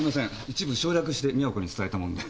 一部省略して美和子に伝えたもんで。